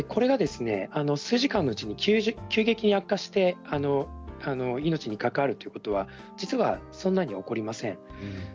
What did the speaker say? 数時間のうちに急激に悪化して命に関わるということは実はそんなに起こりません。